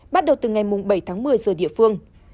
bắt đầu từ ngày bảy tháng một mươi giờ địa phương